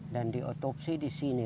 dan di otopsi di sini